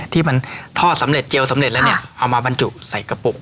ที่ทอดเจลสำเร็จแล้วเอามาบรรจุใส่กระปุก